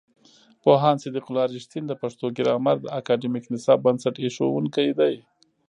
پوهاند صدیق الله رښتین د پښتو ګرامر د اکاډمیک نصاب بنسټ ایښودونکی دی.